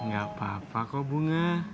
gak apa apa kok bunga